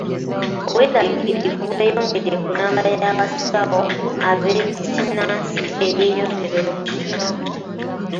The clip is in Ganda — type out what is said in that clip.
Obweraliikirivu bweyongedde ku nnamba y'abasawo b'ekinnansi eyeeyongera mu kitundu.